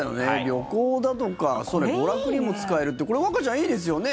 旅行だとか娯楽にも使えるってこれ和歌ちゃん、いいですよね。